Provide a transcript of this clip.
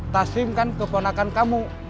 taslim kan keponakan kamu